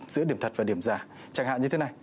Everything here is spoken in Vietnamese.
giữa điểm thật và điểm giả chẳng hạn như thế này